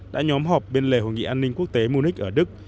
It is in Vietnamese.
đã nhóm họp bên lề hội nghị an ninh quốc tế munich ở đức